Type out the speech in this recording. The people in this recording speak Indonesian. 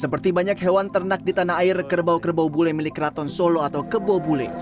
seperti banyak hewan ternak di tanah air kerbau kerbau bule milik keraton solo atau kebau bule